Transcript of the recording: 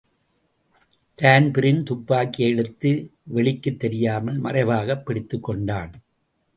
தான்பிரின் துப்பக்கியை எடுத்து வெளிக்குத் தெரியாமல் மறைவாகப் பிடித்துக் கொண்டான்.